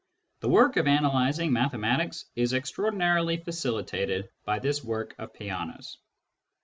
The work of analysing mathe matics is extraordinarily facilitated by this work of Peano's.